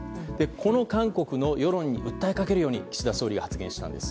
この韓国の世論に訴えかけるように岸田総理が発言したんです。